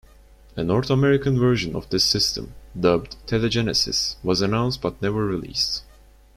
A North American version of this system, dubbed "Tele-Genesis", was announced but never released.